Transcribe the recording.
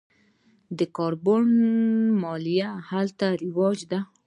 د کاربن مالیه هلته رواج ده.